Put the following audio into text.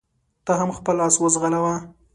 ته هم خپل اس وځغلوه.